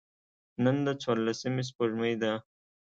نن د څوارلسمي سپوږمۍ ده.